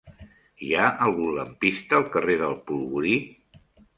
Hi ha algun lampista al carrer del Polvorí?